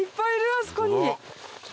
あそこに。